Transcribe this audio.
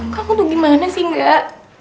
kamu tuh gimana sih nggak